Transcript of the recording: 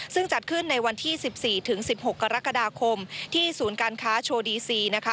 ซึ่งจัดขึ้นในวันที่๑๔ถึง๑๖กรกฎาคมที่ศูนย์การค้าโชว์ดีซีนะคะ